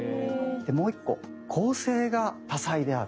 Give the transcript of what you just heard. でもう一個構成が多彩である。